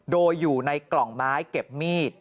โดยอยู่ในกล่องไม้เก็บมีด